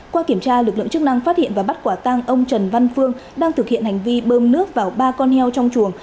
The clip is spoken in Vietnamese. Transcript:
qua kiểm tra lực lượng chức năng phát hiện và bắt quả tang ông trần văn phương đang thực hiện hành vi bơm nước vào ba con heo trong chuồng